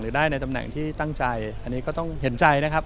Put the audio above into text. ได้ในตำแหน่งที่ตั้งใจอันนี้ก็ต้องเห็นใจนะครับ